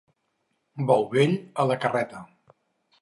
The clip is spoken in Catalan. Bou vell, a la carreta.